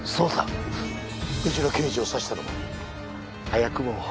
うちの刑事を刺したのも？